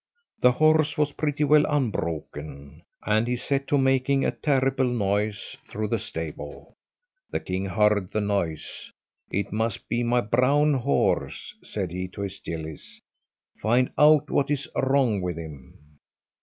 The horse was pretty well unbroken, and he set to making a terrible noise through the stable. The king heard the noise. "It must be my brown horse," said he to his gillies; "find out what is wrong with him."